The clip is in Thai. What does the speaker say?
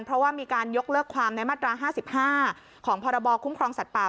เพราะว่ามีการยกเลิกความในมาตรา๕๕ของพรบคุ้มครองสัตว์ป่า